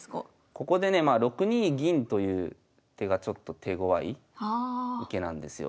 ここでねまあ６二銀という手がちょっと手ごわい受けなんですよ。